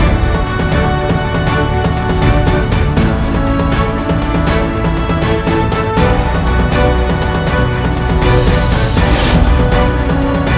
ini dia lagi berdoa